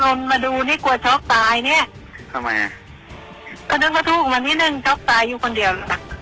ก็นึกว่าทูกมันนิดนึงช็อกตายอยู่คนเดียว